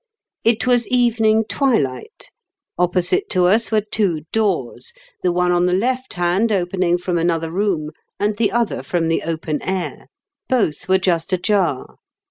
It was evening twilight. Opposite to us were two doors, the one on the left hand opening from another room, and the other from the open air. Both were just ajar.